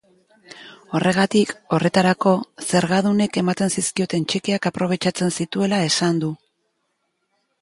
Horregatik, horretarako, zergadunek ematen zizkioten txekeak aprobetxatzen zituela esan du.